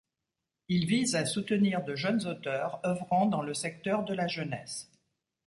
Il vise à soutenir de jeunes auteurs œuvrant dans le secteur de la jeunesse.